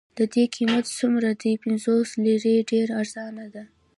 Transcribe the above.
د دې قیمت څومره دی؟ پنځوس لیرې، ډېره ارزانه ده.